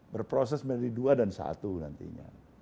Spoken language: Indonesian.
berproses menjadi dua dan satu nantinya